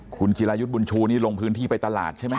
คุณจิรายุทธ์บุญชูนี่ลงพื้นที่ไปตลาดใช่ไหม